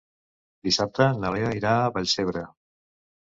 Dissabte na Lea irà a Vallcebre.